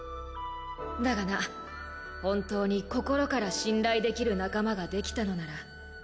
だがな本当に心から信頼できる仲間ができたのなら